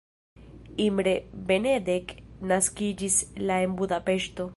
Imre Benedek naskiĝis la en Budapeŝto.